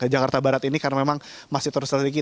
jakarta barat ini karena memang masih terus terjadi